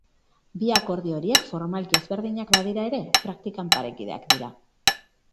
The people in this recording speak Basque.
Bi akordio horiek formalki ezberdinak badira ere, praktikan parekideak dira.